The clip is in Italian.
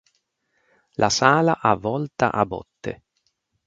La sala ha volta a botte.